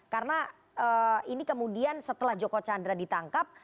karena ini kemudian setelah joko chandra ditangkap